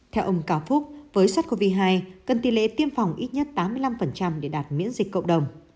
theo ông cào phúc với sars cov hai cần tỷ lệ tiêm phòng ít nhất tám mươi năm để đạt miễn dịch cộng đồng